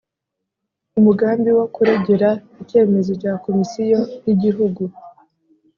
umugambi wo kuregera icyemezo cya Komisiyo y Igihugu